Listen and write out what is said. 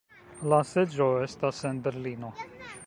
La seĝo estas en Berlino.